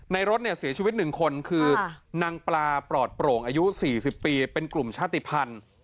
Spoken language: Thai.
รถเนี่ยเสียชีวิต๑คนคือนางปลาปลอดโปร่งอายุ๔๐ปีเป็นกลุ่มชาติภัณฑ์